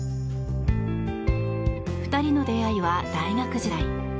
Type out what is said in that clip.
２人の出会いは大学時代。